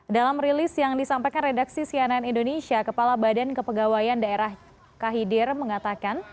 dalam rilis yang disampaikan redaksi cnn indonesia kepala badan kepegawaian daerah kahidir mengatakan